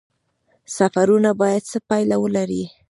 سفرونه باید څه پایله ولري؟